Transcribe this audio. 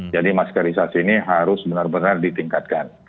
maskerisasi ini harus benar benar ditingkatkan